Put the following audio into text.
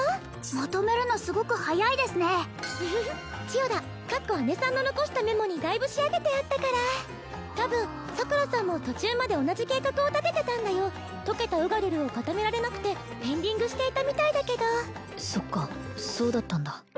まとめるのすごく早いですねフフフ千代田さんの残したメモにだいぶ仕上げてあったから多分桜さんも途中まで同じ計画を立ててたんだよ溶けたウガルルを固められなくてペンディングしていたみたいだけどそっかそうだったんだ